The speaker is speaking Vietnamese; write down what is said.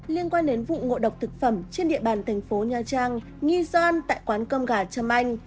liên quan đến vụ ngộ độc thực phẩm trên địa bàn thành phố nha trang nghi doan tại quán cơm gà trâm anh